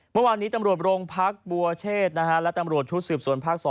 เมื่อวานนี้ตำรวจโรงพักบัวเชษและตำรวจชุดสืบสวนภาค๒